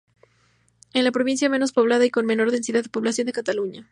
Es la provincia menos poblada y con menor densidad de población de Cataluña.